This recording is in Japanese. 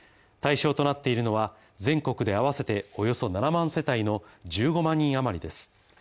対象となっているのは全国で合わせておよそ７万世帯の１５万人余りです。